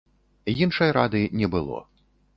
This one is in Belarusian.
Іншай рады не было.